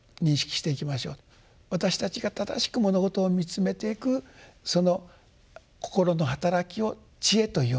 私たちが正しく物事を見つめていくその心の働きを智慧というわけです。